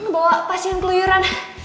bawa pasien keluyuran